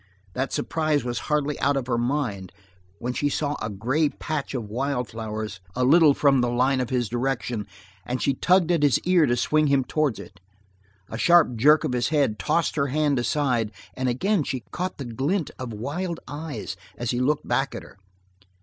That surprise was hardly out of her mind when she saw a gay patch of wild flowers a little from the line of his direction, and she tugged at his ear to swing him towards it. A sharp jerk of his head tossed her hand aside, and again she caught the glint of wild eyes as he looked back at her.